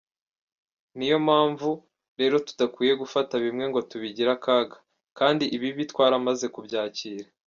Ni yo mpamvu rero tudakwiye gufata bimwe ngo tubigire akaga, kandi ibibi twaramaze kubyakira.